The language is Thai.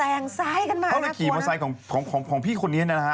แล้วก็เขาไปขี่มอเตอร์ไซค์ของพี่คนนี้นะฮะ